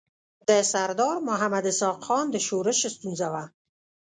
د سردار محمد اسحق خان د ښورښ ستونزه وه.